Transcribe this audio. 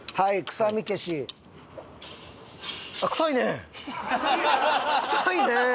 臭いね。